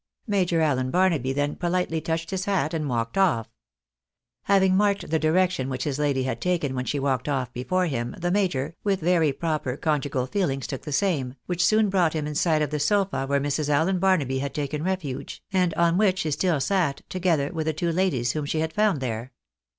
Major Allen Barnaby then pohtely touched his hat and walked off. Having marked the direction which his lady had taken when she walked oS before him, the major, with very proper conjugal feelings, took the same, which soon brought him in sight of the sofa where Mrs. Allen Barnaby had taken refuge, and on which she stiU sat, together with the two ladies whom she had found there.